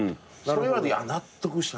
それは納得した。